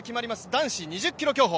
男子２０ｋｍ競歩。